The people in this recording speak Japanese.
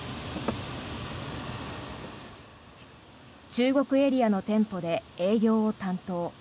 中国エリアの店舗で営業を担当。